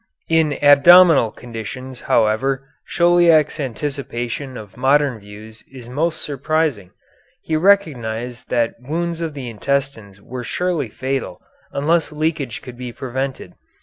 In abdominal conditions, however, Chauliac's anticipation of modern views is most surprising. He recognized that wounds of the intestines were surely fatal unless leakage could be prevented.